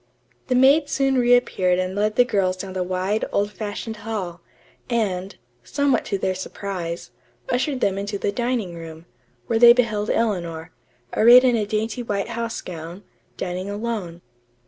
The maid soon reappeared and led the girls down the wide, old fashioned hall, and, somewhat to their surprise, ushered them into the dining room, where they beheld Eleanor, arrayed in a dainty white house gown, dining alone.